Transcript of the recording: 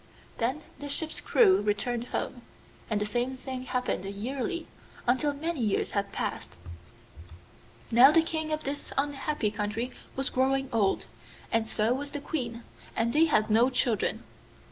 Then the ship's crew returned home, and the same thing happened yearly until many years had passed. Now the King of this unhappy country was growing old, and so was the Queen, and they had no children.